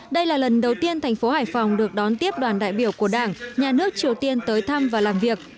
đây là lần đầu tiên thành phố hải phòng được đón tiếp đoàn đại biểu của đảng nhà nước triều tiên tới thăm và làm việc